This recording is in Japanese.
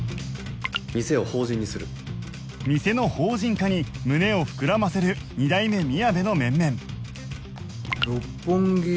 店の法人化に胸を膨らませる二代目みやべの面々